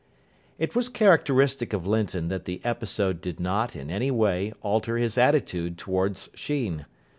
It was characteristic of Linton that the episode did not, in any way, alter his attitude towards Sheen.